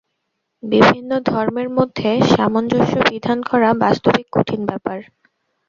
বিভিন্ন ধর্মের মধ্যে সামঞ্জস্য বিধান করা বাস্তবিক কঠিন ব্যাপার।